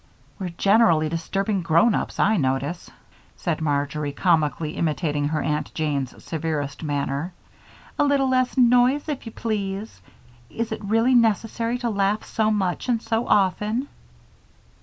"We're generally disturbing grown ups, I notice," said Marjory, comically imitating her Aunty Jane's severest manner. "A little less noise, if you please. Is it really necessary to laugh so much and so often?"